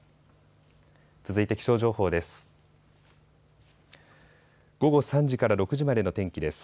続いて気象情報です。